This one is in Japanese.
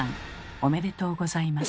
おめでとうございます。